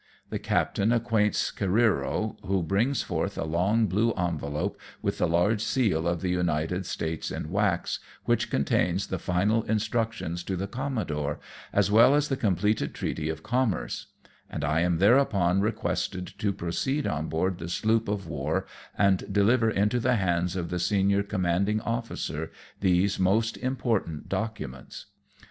The captain acquaints JAPAN OPENED AT LAST. 281 Careero, who brings forth a long blue envelope with the large seal of the United States in wax, which contains the final instructions to the commodore^ as well as the completed treaty of commerce ; and I am thereupon requested to proceed on board the sloop of war and deliver into the hands of the senior command ing officer these most important documents.